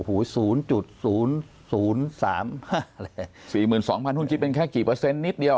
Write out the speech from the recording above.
๔๒๐๐๐หุ้นคิดเป็นแค่กี่เปอร์เซ็นต์นิดเดียว